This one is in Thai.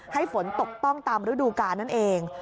ให้ฝนตกต้องตามฤดูกาลนั่นเอง